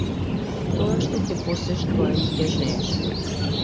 Тоа што ќе посееш тоа и ќе жнееш.